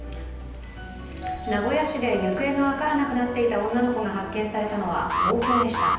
名古屋市で行方が分からなくなっていた女の子が発見されたのは東京でした。